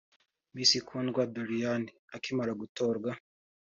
Miss Kundwa Doriane akimara gutorwa